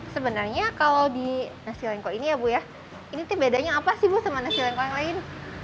sebenarnya kalau di nasi lengko ini ya bu ya ini bedanya apa sih bu sama nasi lengkong lain